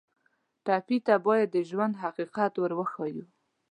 ټپي ته باید د ژوند حقیقت ور وښیو.